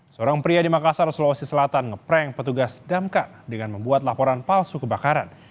seorang pria di makassar sulawesi selatan ngeprank petugas damkar dengan membuat laporan palsu kebakaran